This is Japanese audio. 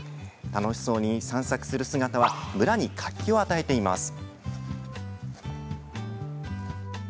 楽しそうに散策する姿は村に活気を与えています。